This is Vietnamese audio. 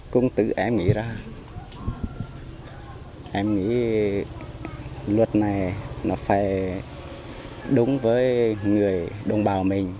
cũng tự em nghĩ ra em nghĩ luật này nó phải đúng với người đồng bào mình